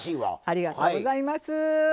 ありがとうございます！